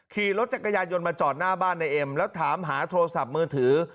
ขี่รถจักรยานยนต์มาจอดหน้าบ้านในเอ็มแล้วถามหาโทรศัพท์มือถือ